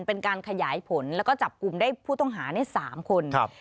เป็นการขยายผลแล้วก็จับกลุ่มได้ผู้ต้องหาใน๓คน